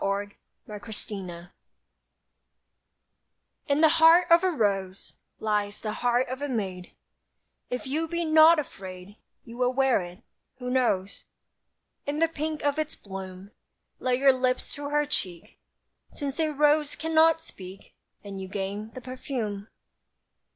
WITH A ROSE In the heart of a rose Lies the heart of a maid; If you be not afraid You will wear it. Who knows? In the pink of its bloom, Lay your lips to her cheek; Since a rose cannot speak, And you gain the perfume.